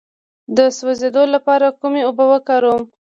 د سوځیدو لپاره کومې اوبه وکاروم؟